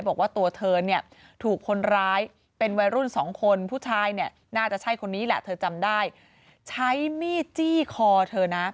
และมีจี้คอบุรีเท่านั้น